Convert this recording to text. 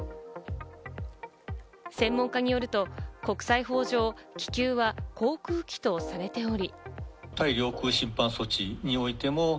専門家によると、国際法上、気球は航空機とされており。